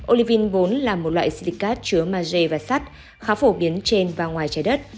olivine vốn là một loại silicate chứa magie và sắt khá phổ biến trên và ngoài trái đất